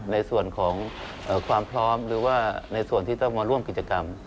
ในส่วนของความพร้อมหรือว่าในส่วนที่ต้องมาร่วมกิจกรรม